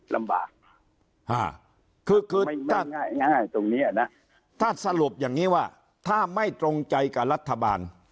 ลำบากคือถ้าง่ายตรงนี้นะถ้าสรุปอย่างนี้ว่าถ้าไม่ตรงใจกับรัฐบาล